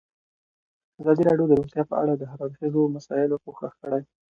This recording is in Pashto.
ازادي راډیو د روغتیا په اړه د هر اړخیزو مسایلو پوښښ کړی.